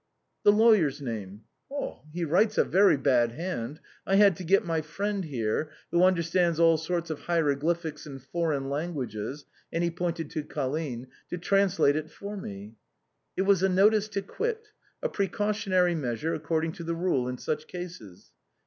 " The lawyer's name." " He writes a very bad hand ; I had to get my friend here, who understands all sorts of hieroglyphics and foreign lan guages "— and he pointed to Colline —" to translate it for me." " It was a notice to quit ; a precautionary measure, ac cording to the rule in such cases."